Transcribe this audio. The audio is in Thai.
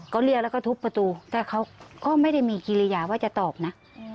ก็เรียกแล้วก็ทุบประตูแต่เขาก็ไม่ได้มีกิริยาว่าจะตอบนะ